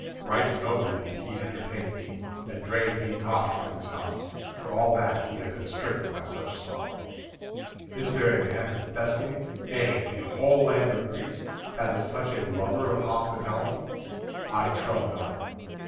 Right nobly did he entertain me, and drave me not from his house, for all that he had been stricken by such sorrow. Is there a man in Thessaly, nay in the whole land of Greece, that is such a lover of hospitality? I trow not.